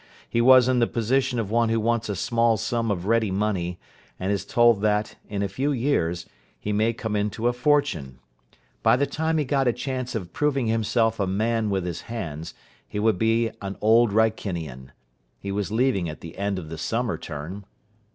He was in the position of one who wants a small sum of ready money, and is told that, in a few years, he may come into a fortune. By the time he got a chance of proving himself a man with his hands, he would be an Old Wrykinian. He was leaving at the end of the summer term.